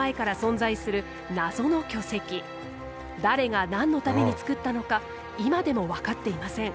誰が何のために作ったのか今でも分かっていません。